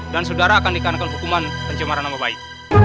dan saudara akan dikandalkan hukuman pencemaran nama baik